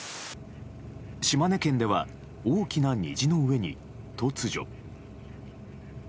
島根県では大きな虹の上に突如。